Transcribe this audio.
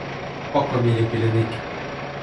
oko mi li pilin ike.